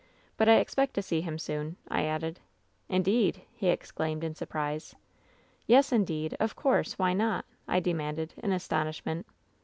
" 'But I expect to see him soon,' I added. " 'Indeed !' he exclaimed, in surprise. " 'Yes, indeed. Of course. Why not V I demanded, in astonishment.